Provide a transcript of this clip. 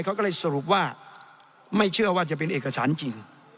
เขาก็เลยสรุปว่าไม่เชื่อว่าจะเป็นเอกสารจริง